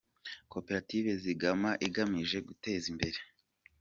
Koperative Zigama igamije guteza imbere.